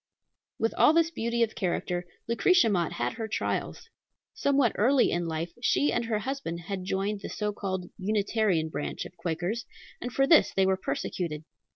With all this beauty of character, Lucretia Mott had her trials. Somewhat early in life she and her husband had joined the so called Unitarian branch of Quakers, and for this they were persecuted.